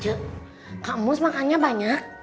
cuk kak mus makannya banyak